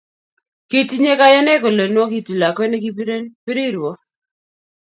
Kitinye kayane kole nwogitu lakwe ne kibiren biriruo